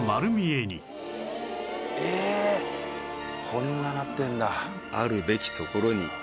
こんななってんだ。